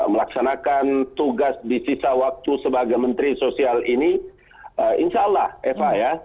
melaksanakan tugas di sisa waktu sebagai menteri sosial ini insya allah eva ya